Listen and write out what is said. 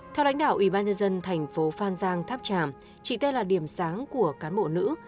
theo đánh đảo ubnd thành phố phan rang tháp tràm chị t là điểm sáng của cán bộ nữ